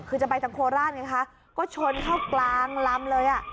คือจะไปทางโคราสก็ชนเข้ากลางล้ำเลย